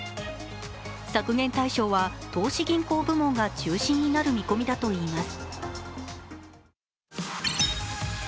削減対象は投資銀行部門が中心になる見込みだと言います。